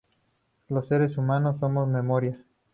Los seres humanos somos memoria.